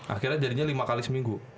akhirnya jadinya lima kali seminggu